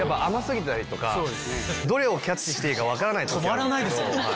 止まらないですよ。